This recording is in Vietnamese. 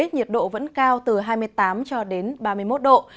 nhiệt độ vẫn cao từ hai mươi tám cho đến ba mươi một độ